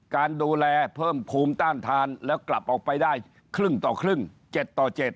การดูแลเพิ่มภูมิต้านทานแล้วกลับออกไปได้ครึ่งต่อครึ่ง๗ต่อ๗